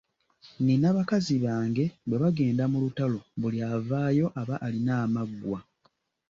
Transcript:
Nina bakazi bange bwe bagenda mu lutalo buli avaayo aba alina amaggwa.